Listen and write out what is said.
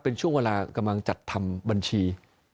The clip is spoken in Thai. เป็นช่วงเวลากำลังจัดทำบัญชี